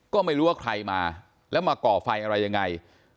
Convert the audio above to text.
ก็ไม่รู้ว่าใครมาแล้วมาก่อไฟอะไรยังไง